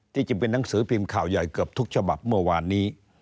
จริงเป็นหนังสือพิมพ์ข่าวใหญ่เกือบทุกฉบับเมื่อวานนี้